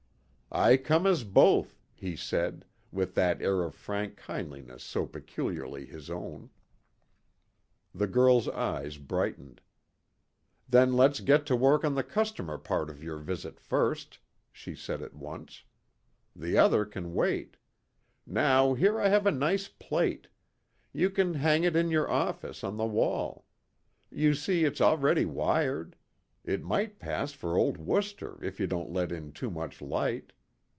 "I come as both," he said, with that air of frank kindliness so peculiarly his own. The girl's eyes brightened. "Then let's get to work on the customer part of your visit first," she said at once; "the other can wait. Now here I have a nice plate. You can hang it in your office on the wall. You see it's already wired. It might pass for old Worcester if you don't let in too much light.